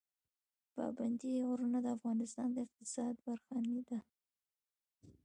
پابندی غرونه د افغانستان د اقتصاد برخه ده.